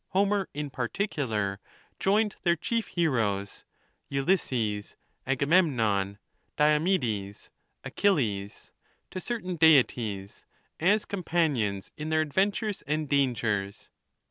Homer in particular, joined their chief heroes — Ulysses, Agamem non, Diomedes, Achilles — to certain Deities, as companions in their adventures and dangers.